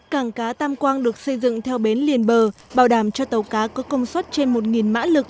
cảng cá tam quang được xây dựng theo bến liền bờ bảo đảm cho tàu cá có công suất trên một mã lực